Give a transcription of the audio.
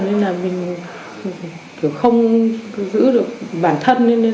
nên là mình